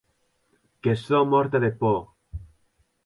Que sò mòrta de pòur!